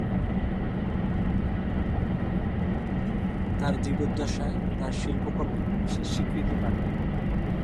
তার জীবদ্দশায় তার শিল্পকর্ম বিশেষ স্বীকৃতি পায়নি।